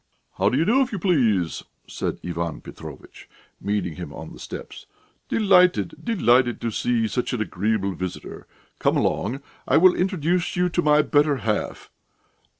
"How do you do, if you please?" said Ivan Petrovitch, meeting him on the steps. "Delighted, delighted to see such an agreeable visitor. Come along; I will introduce you to my better half.